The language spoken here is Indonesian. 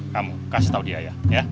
kamu kasih tahu dia ya